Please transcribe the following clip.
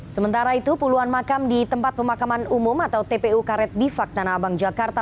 sementara itu puluhan makam di tempat pemakaman umum atau tpu karet bifak tanah abang jakarta